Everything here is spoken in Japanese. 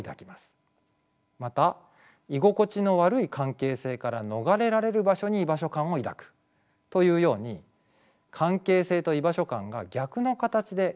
また居心地の悪い関係性から逃れられる場所に居場所感を抱くというように関係性と居場所感が逆の形でつながっていることもあるでしょう。